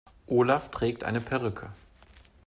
Olaf trägt eine Perücke.